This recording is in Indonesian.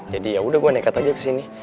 jadi yaudah gue nekat aja kesini